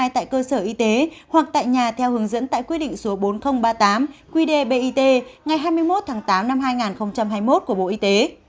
tại cơ sở y tế hoặc tại nhà theo hướng dẫn tại quy định số bốn nghìn ba mươi tám qdbit ngày hai mươi một tháng tám năm hai nghìn hai mươi một của bộ y tế